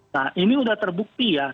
nah ini sudah terbukti ya